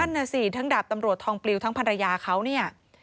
น่ะสิทั้งดาบตำรวจทองปลิวทั้งภรรยาเขาเนี่ย